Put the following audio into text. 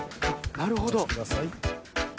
なるほど。